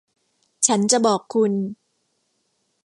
ฉันจะบอกคุณ